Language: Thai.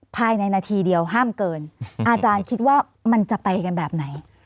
ภายในนาทีเดียวห้ามเกินอาจารย์คิดว่ามันจะไปกันแบบไหน